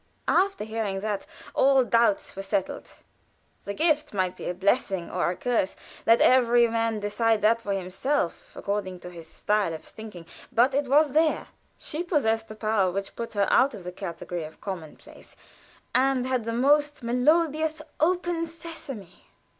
After hearing that, all doubts were settled. The gift might be a blessing or a curse let every one decide that for himself, according to his style of thinking but it was there. She possessed the power which put her out of the category of commonplace, and had the most melodious "Open, Sesame!"